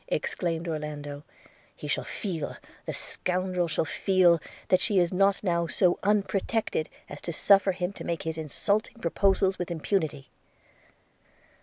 exclaimed Orlando; 'he shall feel, the scoundrel shall feel, that she is not now so unprotected as to suffer him to make his insulting proposals with impunity.'